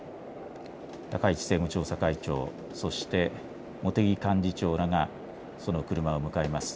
高市政務調査会長、そして茂木幹事長らがその車を迎えます。